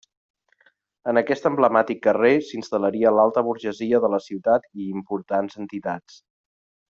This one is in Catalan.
En aquest emblemàtic carrer s'instal·laria l'alta burgesia de la ciutat i importants entitats.